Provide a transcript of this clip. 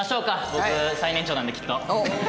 僕最年長なんできっと。